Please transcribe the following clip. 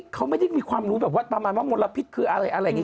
เขาไม่ได้มีความรู้แบบว่าประมาณว่ามลพิษคืออะไรอะไรอย่างนี้